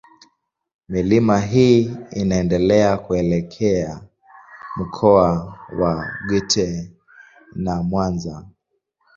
Milima hii inaendelea kuelekea Mkoa wa Geita na Mwanza.